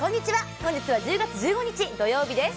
本日は１０月１５日土曜日です。